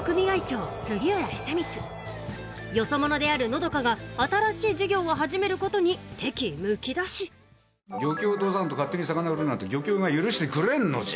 長杉浦久光よそ者である和佳が新しい事業を始めることに敵意むき出し漁協を通さんと勝手に魚売るなんて漁協が許してくれんのじゃ。